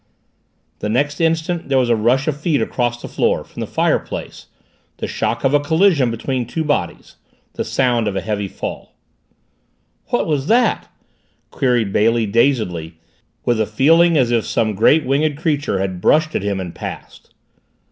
The next instant there was a rush of feet across the floor, from the fireplace the shock of a collision between two bodies the sound of a heavy fall. "What was that?" queried Bailey dazedly, with a feeling as if some great winged creature had brushed at him and passed.